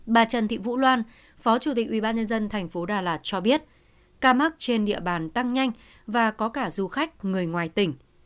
bà trần thị vũ loan phó chủ tịch ubnd tp đà lạt cho biết ca mắc trên địa bàn tăng nhanh và có cả du khách người ngoài tỉnh